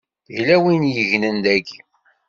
Yella win i yegnen daki.